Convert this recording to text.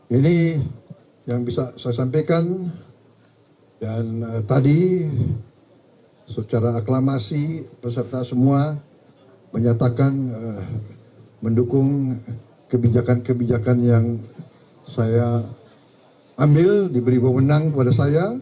ini yang bisa saya sampaikan dan tadi secara aklamasi peserta semua menyatakan mendukung kebijakan kebijakan yang saya ambil diberi pemenang kepada saya